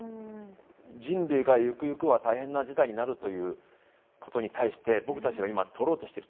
人類がゆくゆくは大変な事態になるということに対して僕たちが今取ろうとしている対処はこれは間に合うんでしょうか？